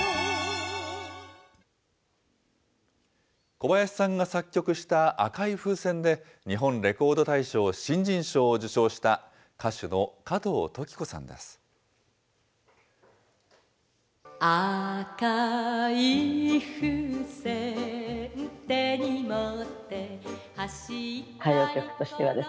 小林さんが作曲した赤い風船で、日本レコード大賞新人賞を受賞した、歌手の加藤登紀子さんです。